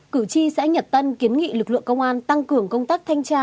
cử tri xã nhật tân kiến nghị lực lượng công an tăng cường công tác thanh tra